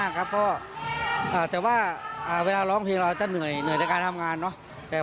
เจ็บเน็บแอวก็สั่งกันได้ตอนนี้